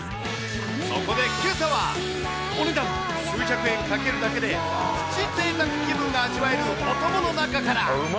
そこでけさは、お値段数百円かけるだけで、プチぜいたく気分が味わえるお供の中から。